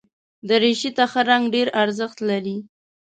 دریشي ته ښه رنګ ډېر ارزښت لري.